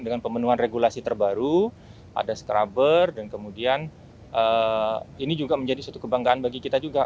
dengan pemenuhan regulasi terbaru ada scrubber dan kemudian ini juga menjadi suatu kebanggaan bagi kita juga